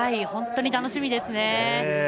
本当に楽しみですね。